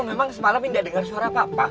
kamu memang semalam ini gak denger suara apa apa